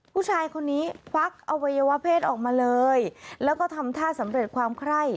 ผู้ชายคนนี้ควักอวัยวะเพศออกมาเลยแล้วก็ทำท่าสำเร็จความไคร้